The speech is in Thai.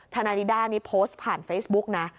ทนายนิด้านี้โพสต์ผ่านเฟซบุ๊กนะ